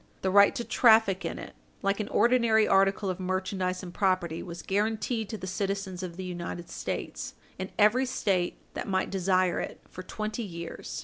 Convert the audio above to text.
The right to traffic in it, like an ordinary article of merchandise and property, was guarantied to the citizens of the United States in every State that might desire it for twenty years.